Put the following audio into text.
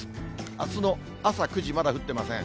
あすの朝９時、まだ降っていません。